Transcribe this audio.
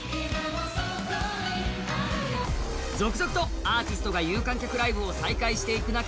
続々とアーティストが有観客ライブを再開していく中